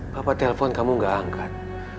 papa telepon kamu gak angkat